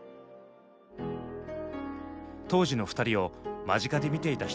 当時の２人を間近で見ていた人がいます。